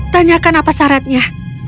tanyakan apa syaratnya